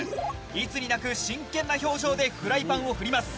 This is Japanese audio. いつになく真剣な表情でフライパンを振ります。